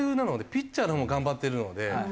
ピッチャーのほうも頑張ってるので。